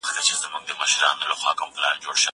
زه اجازه لرم چي انځورونه رسم کړم!!